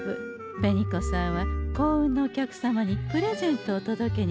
紅子さんは幸運のお客様にプレゼントを届けに来たんでござんす。